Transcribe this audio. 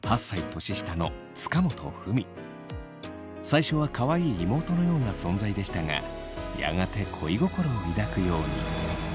最初はかわいい妹のような存在でしたがやがて恋心を抱くように。